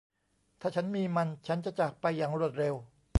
ถ้าฉันมีมัน ฉันจะจากไปอย่างรวดเร็ว